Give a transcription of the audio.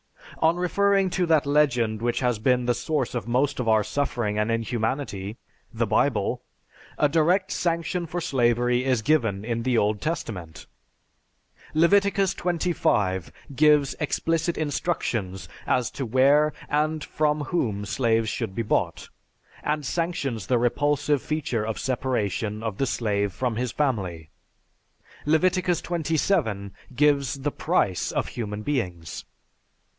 On referring to that legend which has been the source of most of our suffering and inhumanity, the Bible, a direct sanction for slavery is given in the Old Testament. Leviticus XXV gives explicit instructions as to where and from whom slaves should be bought, and sanctions the repulsive feature of separation of the slave from his family. Leviticus XXVII gives the "price" of human beings.